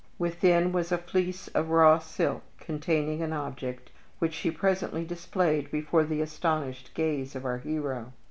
Within was a fleece of raw silk containing an object which she presently displayed before the astonished gaze of our hero.